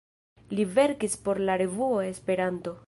Li verkis por la "revuo Esperanto".